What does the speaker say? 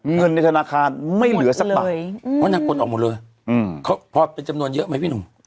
เงินในธนาคารไม่เหลือสักบาทหมดเลยอืมพอเป็นจำนวนเยอะไหมพี่หนุ่ม